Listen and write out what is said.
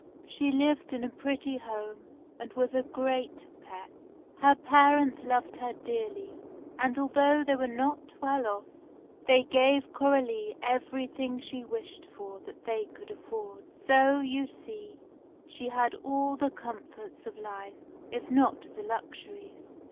She lived in a pretty home, and was a great pet. Her parents loved her dearly, and although they were not well off, they gave Coralie everything she wished for that they could afford. So, you see, she had all the comforts of life, if not the luxuries.